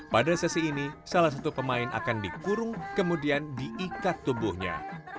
pada sesi ini salah satu pemain akan dikurung kemudian diikat tubuhnya